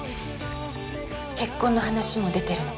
結婚の話も出てるの。